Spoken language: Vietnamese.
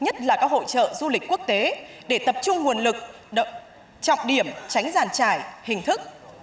nhất là các hội trợ du lịch quốc tế để tập trung nguồn lực trọng điểm tránh giàn trải hình thức